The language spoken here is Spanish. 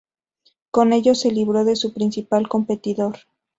Con ello se libró de su principal competidor.